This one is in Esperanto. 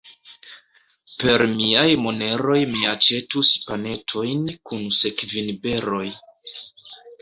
Per miaj moneroj mi aĉetus panetojn kun sekvinberoj.